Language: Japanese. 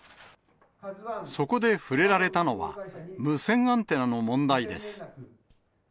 そこで触れられたのは、無線アンテナの問題です。